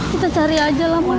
yuk kita cari aja lah man